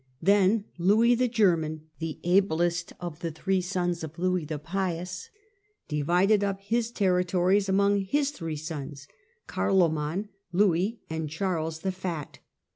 Then Louis the German, the ablest of the three sons of Louis the Pious, divided up his territories among his three sons, Carloman, Louis and Charles the Fat.